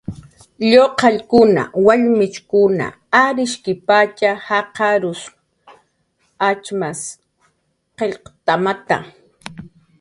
Lluqallkuna, wallmichkun kushukkipatx jaqarn atxmas qillqt'amata.